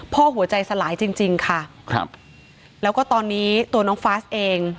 หัวใจสลายจริงจริงค่ะครับแล้วก็ตอนนี้ตัวน้องฟาสเอง